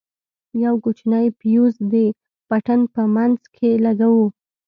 يو کوچنى فيوز د پټن په منځ کښې لگوو.